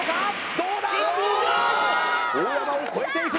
どうだ？